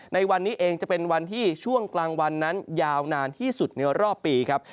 ในวันนี้เองจะเป็นวันที่ช่วงกลางวันนั้นยาวนานที่สุดในรอบปีครับ